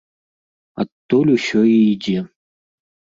Адтуль усё і ідзе.